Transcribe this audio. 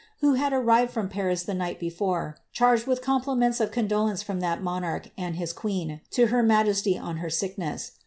who had arrived from Paris the night be fore, charged with compliments of condolence from that monarch and his queen to her majesty on her sickness.